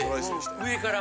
上から。